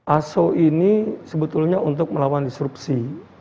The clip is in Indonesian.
aso ini sebetulnya untuk melawan disrupsi